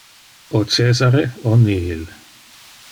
O Cesare o nihil.